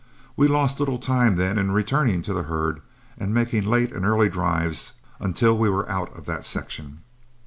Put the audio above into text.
We lost little time, then, in returning to the herd and making late and early drives until we were out of that section.